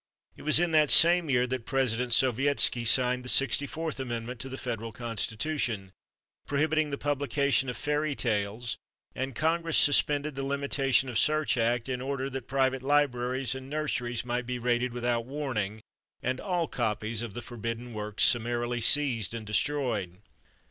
It was in the same year that President Sovietski signed the Sixty fourth Amendment to the Federal Constitution, prohibiting the publication of fairy tales, and Congress suspended the Limitation of Search Act in order that private libraries and nurseries might be raided without warning and all copies of the forbidden works summarily seized and destroyed.